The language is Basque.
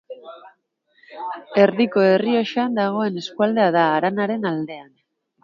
Erdiko Errioxan dagoen eskualdea da, haranaren aldean.